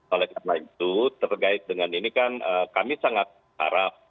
oleh karena itu terkait dengan ini kan kami sangat harap